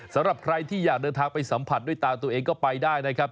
สำหรับใครที่อยากเดินทางไปสัมผัสด้วยตาตัวเองก็ไปได้นะครับ